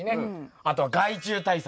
あとは害虫対策。